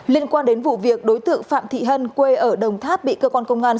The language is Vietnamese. liên quan đến vụ việc đối tượng phạm thị hân quê ở đồng tháp bị cơ quan công an